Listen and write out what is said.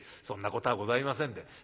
そんなことはございませんで。